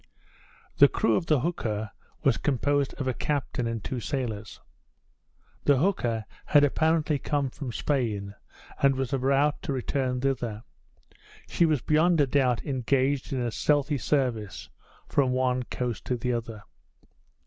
The crew of the hooker was composed of a captain and two sailors. The hooker had apparently come from Spain, and was about to return thither. She was beyond a doubt engaged in a stealthy service from one coast to the other.